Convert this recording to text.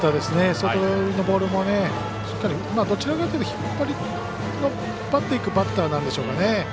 外寄りのボールもどちらかというと引っ張っていくバッターなんでしょうかね。